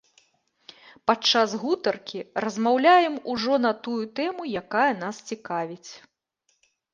Падчас гутаркі размаўляем ужо на тую тэму, якая нас цікавіць.